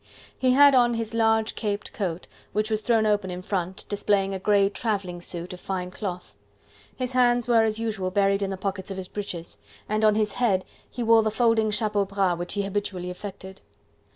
He had on his large caped coat, which was thrown open in front, displaying a grey travelling suit of fine cloth; his hands were as usual buried in the pockets of his breeches, and on his head he wore the folding chapeau bras which he habitually affected.